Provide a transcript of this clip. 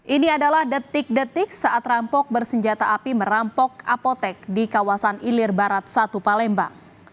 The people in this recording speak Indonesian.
ini adalah detik detik saat rampok bersenjata api merampok apotek di kawasan ilir barat satu palembang